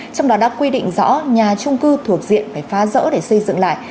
trong đó đã quy định rõ nhà trung cư thuộc diện phải phá rỡ để xây dựng lại